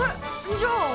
じゃあ。